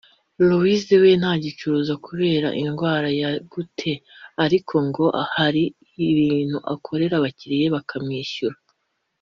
Louise we ntacyicuruza kubera indwara ya gute ariko ngo hari ibintu akorera abakiriya bakamwishyura